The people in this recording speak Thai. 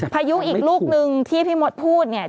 ภายุอีกลูกหนึ่งที่พี่หมดพูด